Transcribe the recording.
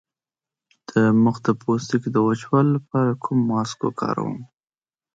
د مخ د پوستکي د وچوالي لپاره کوم ماسک وکاروم؟